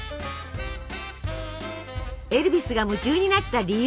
エルヴィスが夢中になった理由